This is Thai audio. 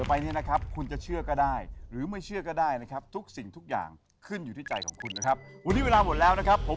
อ่าโอเคนะครับ